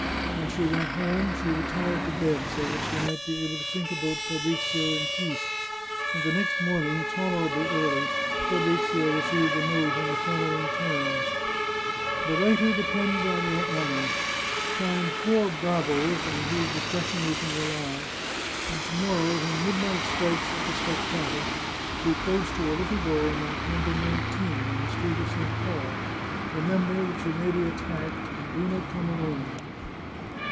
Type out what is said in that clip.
When she went home she re tired to bed, so that she might be able to think about Fabrizio in peace ; and the next morning, tolerably early, Fabrizio re ceived a note in the following terms :" The writer depends on your honour. Find four * bravos ' on whose discretion you can rely, and to morrow, when midnight strikes at the Steccata, be close to a little door marked No. 19, in the Street of St. Paul. Remember that you may be attacked, and do not come alone."